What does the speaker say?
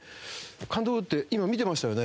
「監督今見てましたよね？」。